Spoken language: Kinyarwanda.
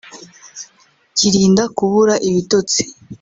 kirinda kubura ibitotsi